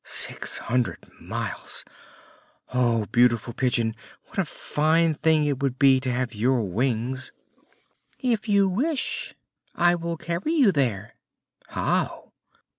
"Six hundred miles? Oh, beautiful Pigeon, what a fine thing it would be to have your wings!" "If you wish to go, I will carry you there." "How?"